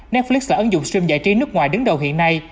netflix là ấn dụng stream giải trí nước ngoài đứng đầu hiện nay